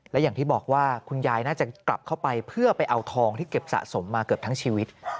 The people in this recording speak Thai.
และอย่างที่บอกว่าคุณยายน่าจะกลับเข้าไปเพื่อไปเอาทองที่เก็บสะสมมาเกือบทั้งชีวิต